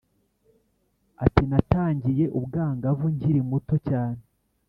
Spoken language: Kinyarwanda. ati “natangiye ubwangavu nkiri muto cyane.